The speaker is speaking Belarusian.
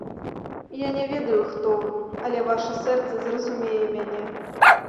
Я не ведаю, хто вы, але ваша сэрца зразумее мяне.